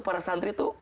para santri itu